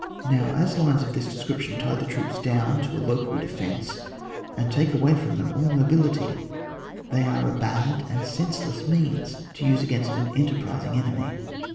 Now as lines of this description tie the troops down to a local defence, and take away horn, them all mobility, they are a bad and senseless means to use against an enterprising enemy.